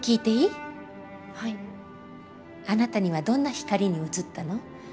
あなたにはどんな光に映ったの？